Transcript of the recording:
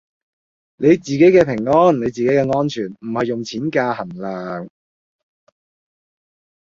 你自己嘅平安你自己嘅安全唔係用錢㗎衡量